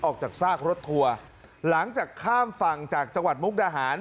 จากซากรถทัวร์หลังจากข้ามฝั่งจากจังหวัดมุกดาหาร